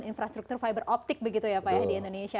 infrastruktur fiber optik begitu ya pak ya di indonesia